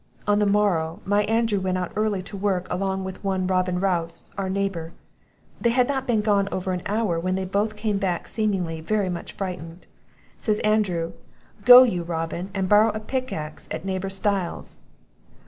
On the morrow, my Andrew went out early to work, along with one Robin Rouse, our neighbour; they had not been gone above an hour, when they both came back seemingly very much frightened. Says Andrew, 'Go you, Robin, and borrow a pickaxe at neighbour Styles's.